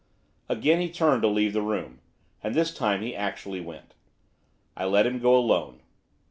Again he turned to leave the room, and this time he actually went. I let him go alone.